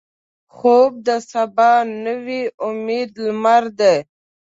خوب د سبا نوې امیدي لمر دی